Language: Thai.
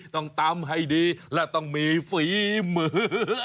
ต้องตำให้ดีและต้องมีฝีมือ